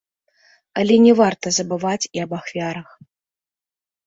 Але не варта забываць і аб ахвярах.